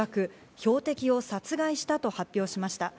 標的を殺害したと発表しました。